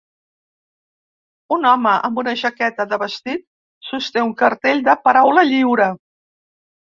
Un home amb una jaqueta de vestit sosté un cartell de "paraula lliure".